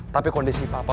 tapi kondisi papa